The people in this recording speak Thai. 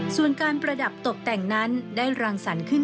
ส่วนการประดับตกแต่งนั้นได้รังสรรค์ขึ้น